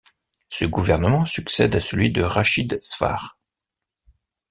Ce gouvernement succède à celui de Rachid Sfar.